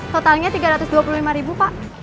totalnya rp tiga ratus dua puluh lima pak